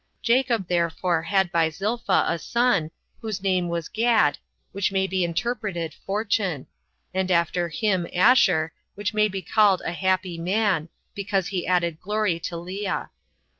Jacob therefore had by Zilpha a son, whose name was Gad, which may be interpreted fortune; and after him Asher, which may be called a happy man, because he added glory to Lea.